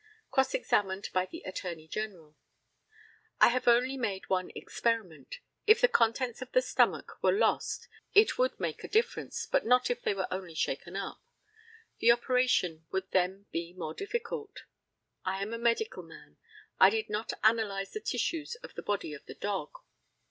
Cross examined by the ATTORNEY GENERAL: I have only made one experiment. If the contents of the stomach were lost it would make a difference, but not if they were only shaken up. The operation would then be more difficult. I am a medical man. I did not analyse the tissues of the body of the dog.